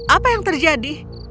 apa yang terjadi